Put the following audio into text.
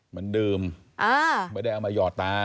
เหมือนเดิมไม่ได้เอามาหยอดตา